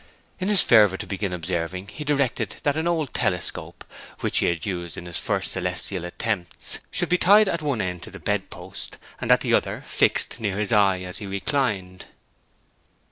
In his fervour to begin observing he directed that an old telescope, which he had used in his first celestial attempts, should be tied at one end to the bed post, and at the other fixed near his eye as he reclined.